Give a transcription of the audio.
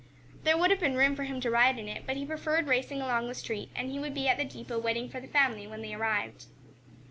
There would have been room for him to ride in it, but he preferred racing along the street, and he would be at the depot waiting for the family when they arrived.